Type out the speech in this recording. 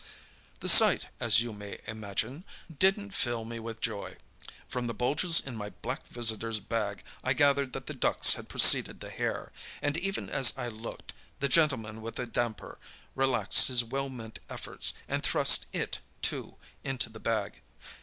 "The sight, as you may imagine, didn't fill me with joy. From the bulges in my black visitors' bag I gathered that the ducks had preceded the hare; and even as I looked, the gentleman with the damper relaxed his well meant efforts, and thrust it, too, into the bag.